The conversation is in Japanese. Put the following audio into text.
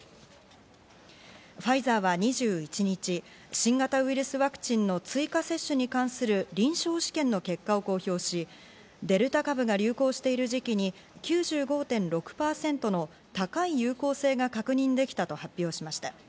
ファイザーは２１日、新型ウイルスワクチンの追加接種に関する臨床試験の結果を公表し、デルタ株が流行している時期に９５．６％の高い有効性が確認できたと発表しました。